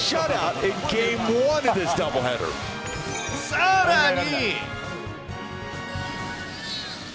さらに。